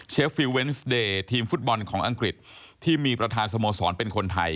ฟิลเวนส์เดย์ทีมฟุตบอลของอังกฤษที่มีประธานสโมสรเป็นคนไทย